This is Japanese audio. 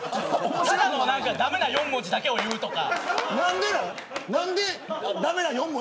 ただの駄目な４文字だけを言うとか。